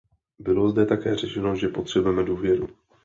Bylo zde také řečeno, že potřebujeme důvěru.